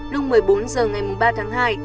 lung một mươi bốn giờ ngày ba tháng hai